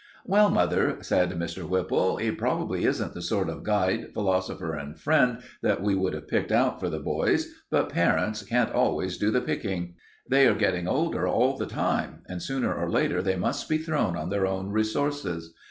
"Well, mother," said Mr. Whipple, "he probably isn't the sort of guide, philosopher, and friend that we would have picked out for the boys, but parents can't always do the picking. They are getting older all the time, and sooner or later they must be thrown on their own resources.